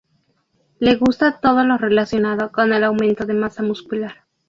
Le gusta todo lo relacionado con el aumento de masa muscular.